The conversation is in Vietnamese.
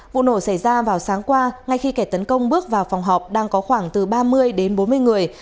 vụ nổ xảy ra vào sáng qua ngay khi kẻ tấn công bước vào phòng họp đang có khoảng từ ba mươi đến bốn mươi người